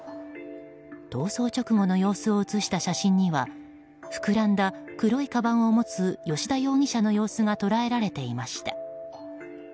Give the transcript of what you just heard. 逃走直後の様子を写した写真にはふくらんだ黒いかばんを持つ葭田容疑者の様子が捉えられていました。